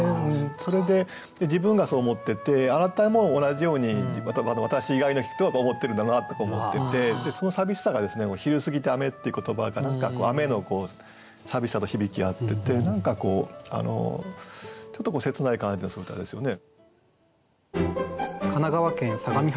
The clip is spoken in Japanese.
それで自分がそう思ってて「あなた」も同じように私以外の人を思ってるんだろうなとか思っててその寂しさが「昼過ぎて雨」っていう言葉が雨の寂しさと響き合ってて何かこうちょっと切ない感じのする歌ですよね。